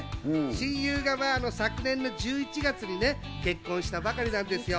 親友が昨年の１１月に結婚したばかりなんですよ。